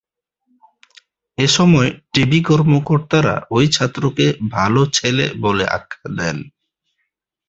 এ সময় ডিবি কর্মকর্তারা ওই ছাত্রকে ‘ভালো ছেলে’ বলে আখ্যা দেন।